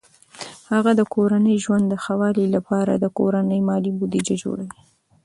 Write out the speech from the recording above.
هغه د کورني ژوند د ښه والي لپاره د کورني مالي بودیجه جوړوي.